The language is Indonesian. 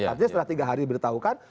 artinya setelah tiga hari diberitahukan